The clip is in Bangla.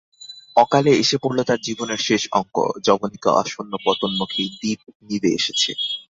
অকালে এসে পড়ল তার জীবনের শেষ অঙ্ক, যবনিকা আসন্নপতনমুখী, দীপ নিবে এসেছে।